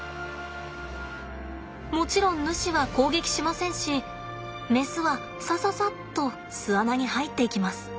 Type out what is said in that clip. もちろんヌシは攻撃しませんしメスはさささっと巣穴に入っていきます。